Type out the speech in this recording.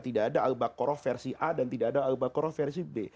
tidak ada al baqarah versi a dan tidak ada al baqarah versi b